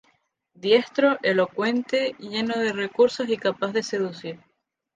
Diestro, elocuente, lleno de recursos y capaz de seducir.